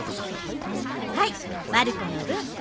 はいまる子の分。